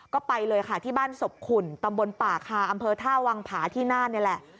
ก็ไปเลยค่ะที่บ้านศพขุ่นตำบลป่าคาอำเภอท่าวังผาที่น่านนี่แหละ